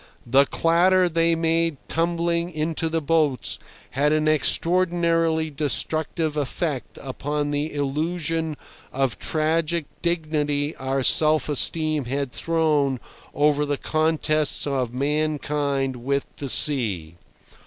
The clatter they made tumbling into the boats had an extraordinarily destructive effect upon the illusion of tragic dignity our self esteem had thrown over the contests of mankind with the sea.